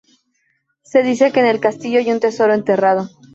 Se dice que en el castillo hay un tesoro enterrado.